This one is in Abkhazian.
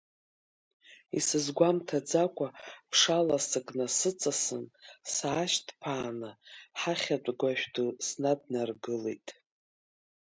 Исызгәамҭаӡакәа ԥша ласык насыҵасын, саашьҭԥааны, ҳахьатә гәашә ду снаднаргылеит.